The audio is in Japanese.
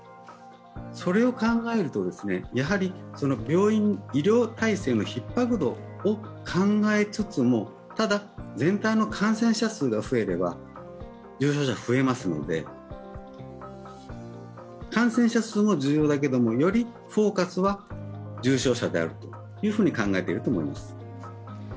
それを考えると、やはり病院医療体制のひっ迫度を考えつつもただ全体の感染者数が増えれば、重症者が増えますので、感染者数も重要だけど、よりフォーカスは重症者であると考えていると思います。